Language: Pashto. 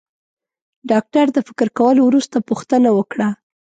ډاکټر د فکر کولو وروسته پوښتنه وکړه.